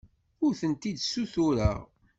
Ur tent-id-ssutureɣ.